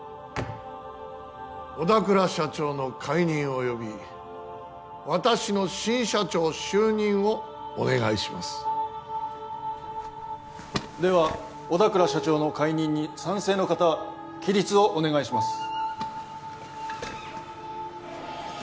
小田倉社長の解任および私の新社長就任をお願いしますでは小田倉社長の解任に賛成の方起立をお願いします